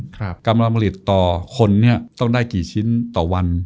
กำลังผลิตต่อคนเนี่ยต้องได้กี่ชิ้นต่อวัน